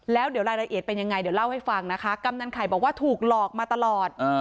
แล้วเดี๋ยวรายละเอียดเป็นยังไงเดี๋ยวเล่าให้ฟังนะคะกำนันไข่บอกว่าถูกหลอกมาตลอด